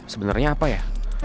sebenernya apa ya